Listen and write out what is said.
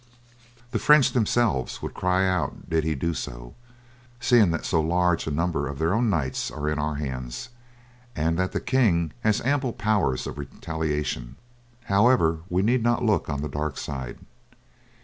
The French themselves would cry out did he do so, seeing that so large a number of their own knights are in our hands, and that the king has ample powers of retaliation; however, we need not look on the dark side.